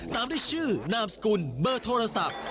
ตามด้วยชื่อนามสกุลเบอร์โทรศัพท์